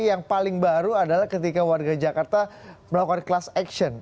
yang paling baru adalah ketika warga jakarta melakukan class action